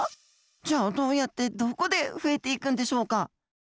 じゃあどうやってどこで増えていくんでしょうか？